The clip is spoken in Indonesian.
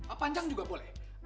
oh panjang juga boleh